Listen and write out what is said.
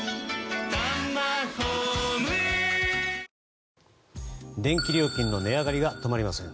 東京海上日動電気料金の値上がりが止まりません。